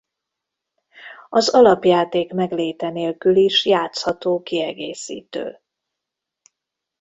Az alapjáték megléte nélkül is játszható kiegészítő.